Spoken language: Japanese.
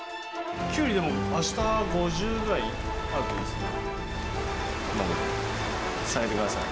キュウリ、でも、あした５０ぐらいあるといいですね。